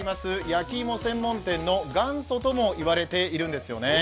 焼き芋専門店の元祖とも言われているんですよね。